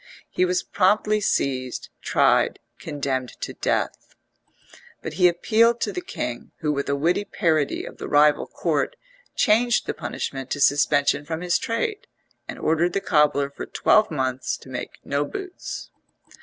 He was promptly seized, tried, condemned to death. But he appealed to the king who, with a witty parody of the rival Court, changed the punishment to suspension from his trade, and ordered the cobbler for twelve months to make no boots.